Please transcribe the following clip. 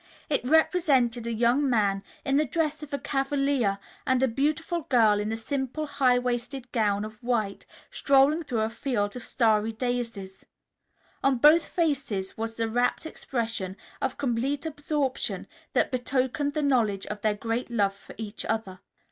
It represented a young man in the dress of a cavalier and a beautiful girl in a simple high waisted gown of white, strolling through a field of starry daisies. On both faces was the rapt expression of complete absorption that betokened the knowledge of their great love for each other.